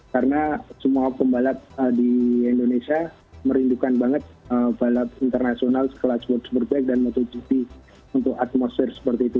karena semua pembalap di indonesia merindukan banget balap internasional kelas world superbike dan motogp untuk atmosfer seperti itu